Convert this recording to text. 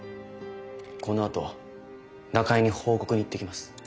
このあと中江に報告に行ってきます。